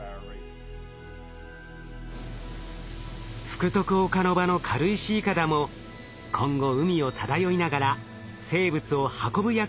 福徳岡ノ場の軽石いかだも今後海を漂いながら生物を運ぶ役割を果たすはず。